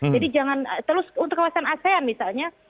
jadi jangan terus untuk kawasan asean misalnya